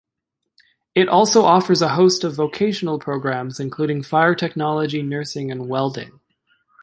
It also offers a host of vocational programs including fire technology, nursing, and welding.